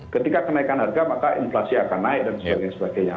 ketika kenaikan harga maka inflasi akan naik dan sebagainya